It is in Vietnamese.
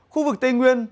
khu vực tây nguyên